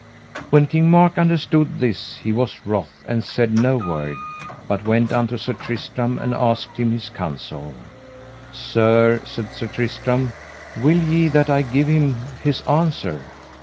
When King Mark understood this he was wroth and said no word, but went unto Sir Tristram and asked him his counsel. Sir, said Sir Tristram, will ye that I give him his answer?